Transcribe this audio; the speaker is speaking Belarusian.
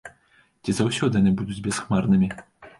Ці заўсёды яны будуць бясхмарнымі?